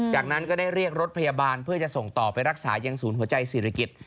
จากนั้นก็ได้เรียกรถพยาบาลเพื่อจะส่งต่อไปรักษายังศูนย์หัวใจศิริกิจ